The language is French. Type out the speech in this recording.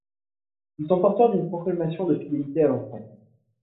Ils sont porteurs d'une proclamation de fidélité à l'empereur.